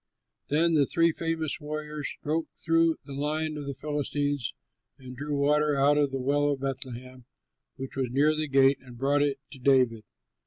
Then the three famous warriors broke through the line of the Philistines and drew water out of the well of Bethlehem which was near the gate and brought it to David.